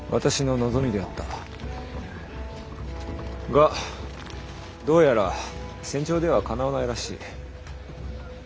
がどうやら戦場ではかなわないらしい。